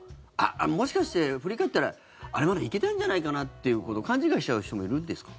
もしかして振り返ったら、あれまだ行けたんじゃないかなって勘違いしちゃう人もいるんですか？